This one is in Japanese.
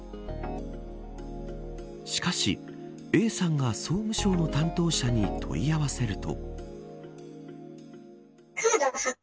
しかし、Ａさんが総務省の担当者に問い合わせると。